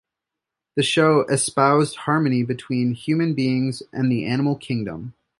The show espoused harmony between human beings and the animal kingdom.